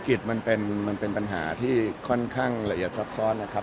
คือเรื่องธุรกิจมันเป็นปัญหาที่ค่อนข้างละเอียดซับซ่อนนะครับ